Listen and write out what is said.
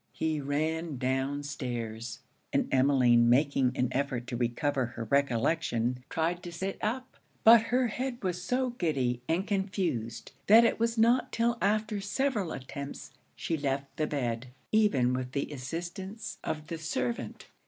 He ran down stairs; and Emmeline making an effort to recover her recollection, tried to sit up; but her head was so giddy and confused that it was not till after several attempts she left the bed, even with the assistance of the servant.